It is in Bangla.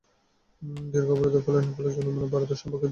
দীর্ঘ অবরোধের ফলে নেপালের জনমনেও ভারত সম্পর্কে বিরূপ ধারণা সৃষ্টি হচ্ছে।